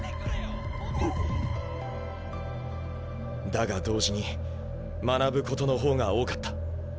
だが同時に学ぶことの方が多かった。